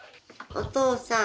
お父さん。